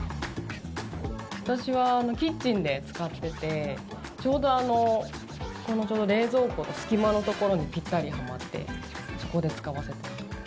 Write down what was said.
私はキッチンで使っていてちょうど冷蔵庫の隙間のところにぴったりはまってそこで使わせてもらってます。